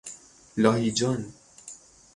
لاهیجان